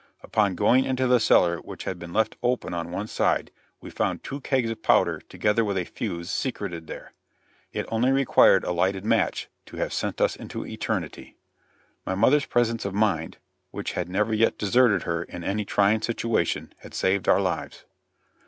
Upon going into the cellar which had been left open on one side, we found two kegs of powder together with a fuse secreted there. It only required a lighted match to have sent us into eternity. My mother's presence of mind, which had never yet deserted her in any trying situation, had saved our lives.